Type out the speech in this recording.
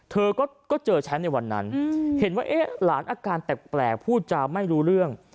เธอก็เจอแชมป์ในวันนั้นเห็นว่าเอ๊ะหลานอาการแปลกพูดจาไม่รู้เรื่อง